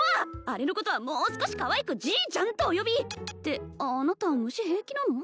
あれのことはもう少しかわいくＧちゃんとお呼びってあなた虫平気なの？